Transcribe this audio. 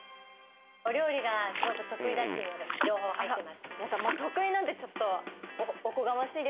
お料理がすごく得意だっていう情報入ってます。